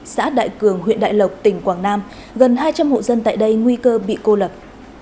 xã đại cường huyện đại lộc tỉnh quảng nam gần hai trăm linh hộ dân tại đây nguy cơ bị cô lập